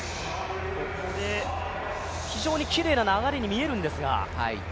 非常にきれいな流れに見えるんですが。